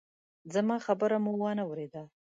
زما خبره مو وانه ورېده!